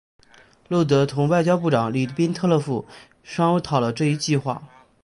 路德同外交部长里宾特洛甫商讨了这一计划。